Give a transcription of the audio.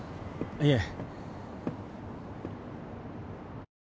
いえ。